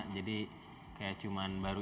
jadi kayak cuman baru